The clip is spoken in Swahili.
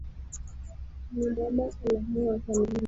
Nilimwomba kalamu akaninyima